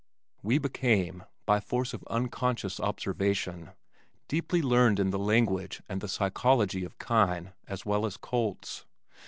We became, by force of unconscious observation, deeply learned in the language and the psychology of kine as well as colts.